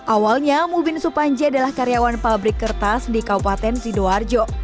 awalnya mubin supanji adalah karyawan pabrik kertas di kabupaten sidoarjo